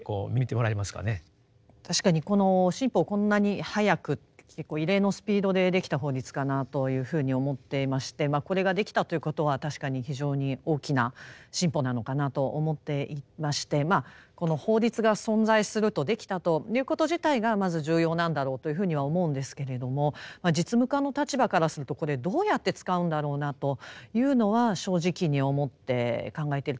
確かにこの新法をこんなに早く結構異例のスピードでできた法律かなというふうに思っていましてこれができたということは確かに非常に大きな進歩なのかなと思っていましてこの法律が存在するとできたということ自体がまず重要なんだろうというふうには思うんですけれども実務家の立場からするとこれどうやって使うんだろうなというのは正直に思って考えているところです。